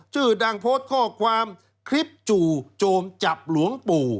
ชื่อดังโพสต์ข้อความคลิปจู่โจมจับหลวงปู่